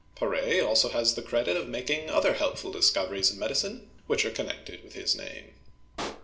Par6 also has the credit of making other helpful discoveries in medicine, which are connected with his name.